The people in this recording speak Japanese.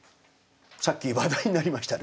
さっき話題になりましたね